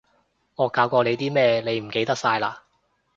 我教過你啲咩，你唔記得晒嘞？